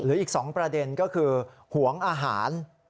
หรืออีกสองประเด็นก็คือหวงอาหาร